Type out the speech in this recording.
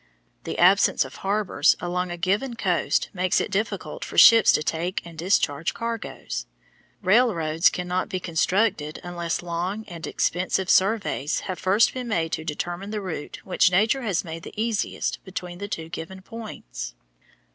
The absence of harbors along a given coast makes it difficult for ships to take and discharge cargoes. Railroads cannot be constructed unless long and expensive surveys have first been made to determine the route which Nature has made the easiest between two given points.